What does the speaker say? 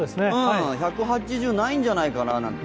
１８０ないんじゃないかなって。